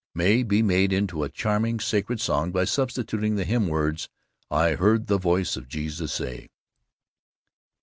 May be made into a charming sacred song by substituting the hymn words, 'I Heard the Voice of Jesus Say.